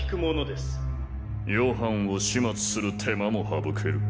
ヨハンを始末する手間も省ける。